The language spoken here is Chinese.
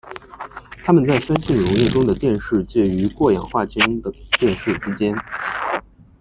它们在酸性溶液中的电势介于过氧化氢的电势之间。